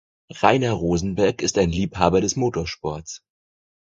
Rainer Rosenberg ist ein Liebhaber des Motorsports.